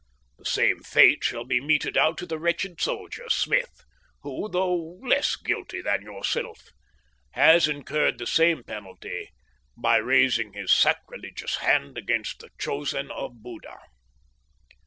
"The same fate shall be meted out to the wretched soldier, Smith, who, though less guilty than yourself, has incurred the same penalty by raising his sacrilegious hand against the chosen of Buddha.